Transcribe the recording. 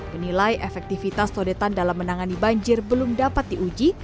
menilai efektivitas sodetan dalam menangani banjir belum dapat diuji